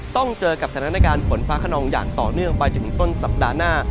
ต้องเจอกับสถานการณ์ฝนฟ้าขนองอย่างต่อเนื่องไปจนถึงต้นสัปดาห์หน้า